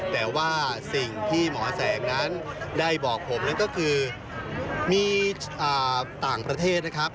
แต่ว่าสิ่งที่หมอแสงนั้นได้บอกผมนั่นก็คือมีต่างประเทศนะครับ